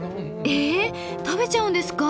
え食べちゃうんですか？